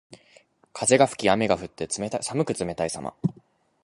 風が吹き雨が降って、寒く冷たいさま。